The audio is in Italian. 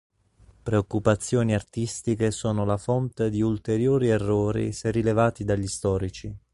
Preoccupazioni artistiche sono la fonte di ulteriori errori se rilevati dagli storici.